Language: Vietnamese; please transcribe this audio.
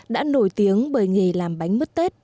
đã nổi tiếng bởi nghề làm bánh mứt tết